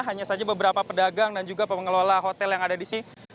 hanya saja beberapa pedagang dan juga pengelola hotel yang ada di sini